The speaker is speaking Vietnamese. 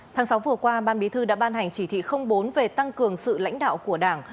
tháng sáu vừa qua ban bí thư đã ban hành chỉ thị bốn về tăng cường sự lãnh đạo của đảng